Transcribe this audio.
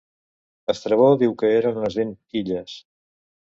Estrabó diu que eren unes vint illes.